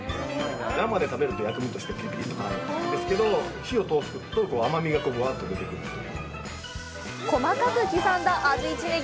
生で食べると、薬味としてピリピリと辛いんですけど火を通すと甘みが、わあっと出てくるという。